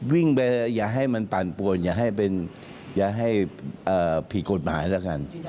วิ่งไปอย่าให้มันปั่นป่วนอย่าให้ผิดกฎหมายแล้วกัน